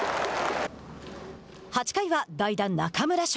８回は代打中村奨